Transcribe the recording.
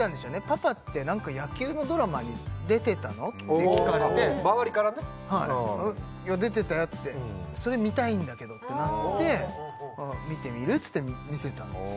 「パパって何か野球のドラマに出てたの？」って聞かれてあっ周りからねはい「いや出てたよ」って「それ見たいんだけど」ってなって「見てみる？」っつって見せたんです・